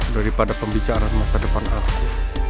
daripada pembicaraan masa depan aku